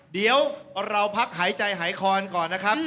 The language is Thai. เดี๋ยวเราพักหายใจหายคอนก่อนนะครับ